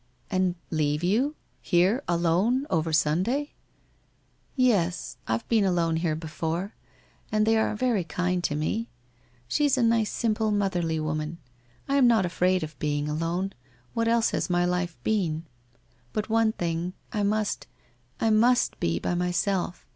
' And leave you, here, alone over Sunday ?' 1 Yes, I've been alone here before, and they are very kind to me. She's a nice simple motherly woman. I am not afraid of being alone. What else has my life been. But one thing — I must, I must be by myself.